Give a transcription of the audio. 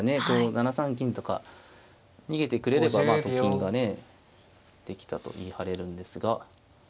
こう７三金とか逃げてくれればまあと金がねできたと言い張れるんですが。